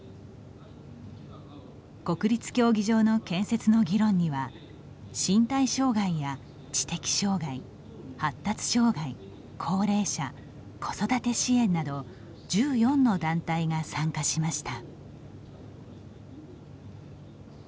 国立競技場の建設の議論には身体障害や知的障害、発達障害高齢者、子育て支援など１４の団体が参加しました。